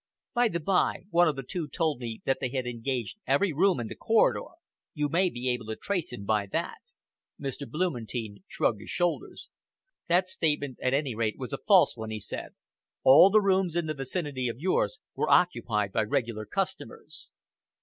By the bye, one of the two told me that they had engaged every room in that corridor. You may be able to trace him by that." Mr. Blumentein shrugged his shoulders. "That statement, at any rate, was a false one," he said. "All the rooms in the vicinity of yours were occupied by regular customers."